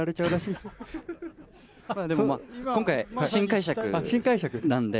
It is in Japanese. でも、今回、新解釈なんで。